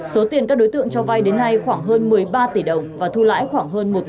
số tiền các đối tượng cho vay đến nay khoảng hơn một mươi ba tỷ đồng và thu lãi khoảng hơn một tỷ đồng